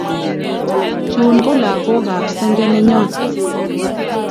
Chun ko lagogap senge nenyon.